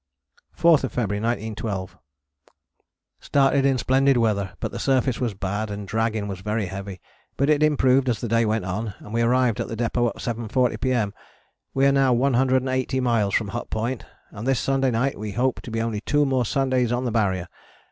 4th February 1912. Started in splendid weather, but the surface was bad and dragging was very heavy, but it improved as the day went on, and we arrived at the depôt at 7.40 P.M. We are now 180 miles from Hut Point, and this Sunday night we hope to be only two more Sundays on the Barrier.